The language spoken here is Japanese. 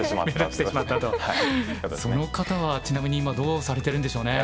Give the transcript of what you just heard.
その方はちなみに今はどうされてるんでしょうね。